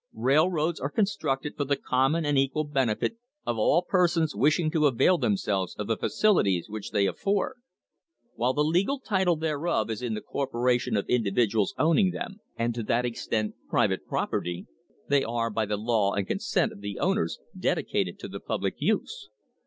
Railroads are constructed for the common and equal benefit of all persons wishing to avail themselves of the facilities which they afford. While the legal title thereof is in the corporation of individuals owning them, and to that extent private property, they are by the law and consent of the owners dedicated to the public use.